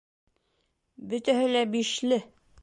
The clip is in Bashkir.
Бөтәһе лә «бишле».